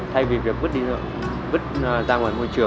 thay vì việc vứt ra ngoài nước